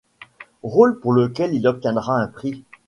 Rôle pour lequel il obtiendra un prix.